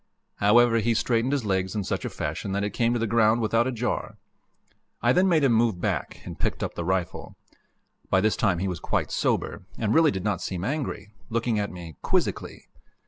However, he straightened his legs in such fashion that it came to the ground without a jar. I then made him move back, and picked up the rifle. By this time he was quite sober, and really did not seem angry, looking at me quizzically.